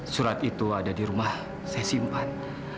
surat itu ada di rumah saya simpan